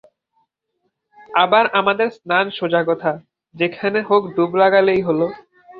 আবার আমাদের স্নান সোজা কথা, যেখানে হোক ডুব লাগালেই হল।